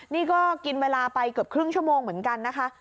นี่ก็กินเวลาไปเกือบครึ่งชั่วโมงเหมือนกันนะคะ